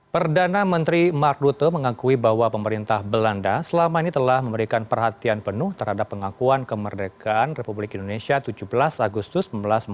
perdana menteri mark rute mengakui bahwa pemerintah belanda selama ini telah memberikan perhatian penuh terhadap pengakuan kemerdekaan republik indonesia tujuh belas agustus seribu sembilan ratus empat puluh lima